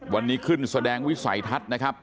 วันนี้ขึ้นแสดงวิสัยทัศน์นะครับ